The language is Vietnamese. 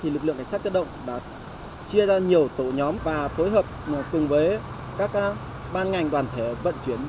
lực lượng cảnh sát cơ động đã chia ra nhiều tổ nhóm và phối hợp cùng với các ban ngành đoàn thể vận chuyển